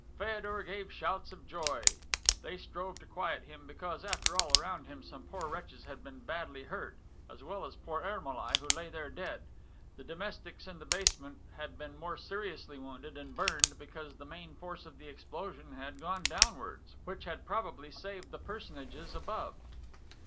Feodor gave shouts of joy. They strove to quiet him, because, after all, around him some poor wretches had been badly hurt, as well as poor Ermolai, who lay there dead. The domestics in the basement had been more seriously wounded and burned because the main force of the explosion had gone downwards; which had probably saved the personages above.